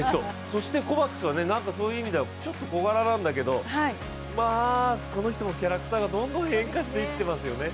そしてコバクスは、そういう意味だと、ちょっと小柄なんですけれどもこの人もキャラクターがどんどん変化していっていますよね。